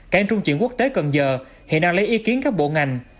cảng trung chuyển quốc tế cần giờ hiện đang lấy ý kiến các bộ ngành